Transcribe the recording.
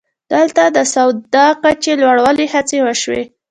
دلته د سواد کچې لوړولو هڅې وشوې